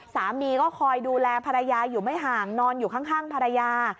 สามีก็คอยดูแลภรรยาอยู่ไม่ห่างนอนอยู่ข้างภรรยา